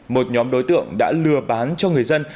một nhóm đối tượng đã lừa bán cho người dân